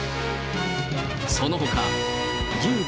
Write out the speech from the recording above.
そのほか牛豚